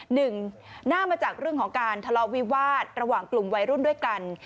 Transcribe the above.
หนึ่งหน้ามาจากเรื่องของการทะเลาะวิวาสระหว่างกลุ่มวัยรุ่นด้วยกัน